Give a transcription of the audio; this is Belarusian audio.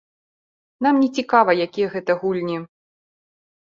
Нам не цікава, якія гэта гульні.